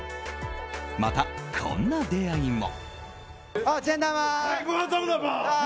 また、こんな出会いも。